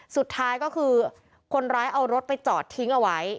สุดท้ายก็คือคนร้ายเอารถไปจอดทิ้งเอาไว้